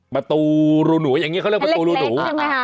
ประตูรูหนูอย่างนี้เขาเรียกประตูรูหนูยังไงฮะ